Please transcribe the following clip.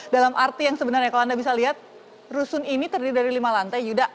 dalam arti yang sebenarnya kalau anda bisa lihat rusun ini terdiri dari lima lantai yuda